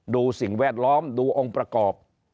สิ่งแวดล้อมดูองค์ประกอบ